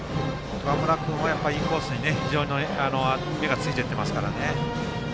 岡村君はインコースに目がついていっていますからね。